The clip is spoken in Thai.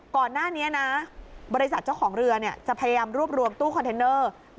ก่อนหน้านี้นะบริษัทเจ้าของเรือจะพยายามรวบรวมตู้คอนเทนเนอร์